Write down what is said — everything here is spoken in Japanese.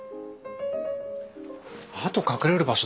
あと隠れる場所